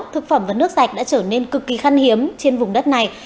thực phẩm và nước sạch đã trở nên cực kỳ khăn hiếm trên vùng đất này